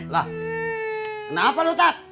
lah kenapa lu tak